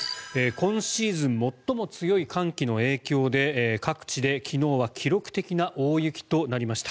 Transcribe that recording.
今シーズン最も強い寒気の影響で各地で昨日は記録的な大雪となりました。